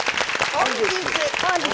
本日。